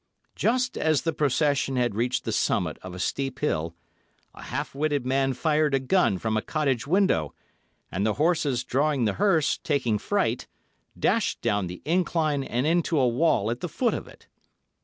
Just as the procession had reached the summit of a steep hill, a half witted man fired a gun from a cottage window, and the horses drawing the hearse, taking fright, dashed down the incline and into a wall at the foot of it.